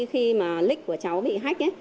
khi mà lịch của cháu bị hách